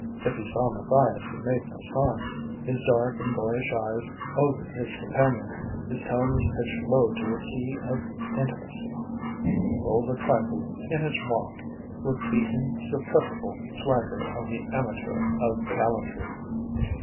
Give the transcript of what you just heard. If he saw Matthias he made no sign. His dark and boyish eyes ogled his companion; his tone was pitched low to a key of intimacy; he rolled a trifle in his walk, with the insuppressible swagger of the amateur of gallantry.